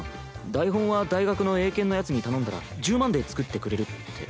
台本は大学の映研のヤツに頼んだら１０万で作ってくれるって。